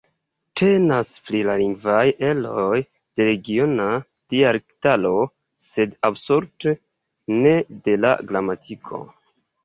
Temas pri lingvaj eroj de regiona dialektaro, sed absolute ne de la gramatiko.